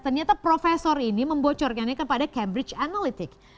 ternyata profesor ini membocorkannya kepada cambridge analytic